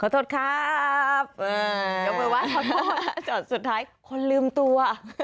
ขอโทษครับอย่าไปว่าขอโทษส่วนสุดท้ายคนลืมตัว